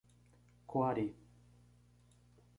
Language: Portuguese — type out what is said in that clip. Coari